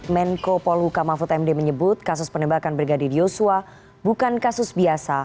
menko polhuka mahfud md menyebut kasus penembakan brigadir yosua bukan kasus biasa